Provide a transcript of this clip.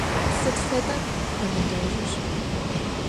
Sıd feda pomidorır?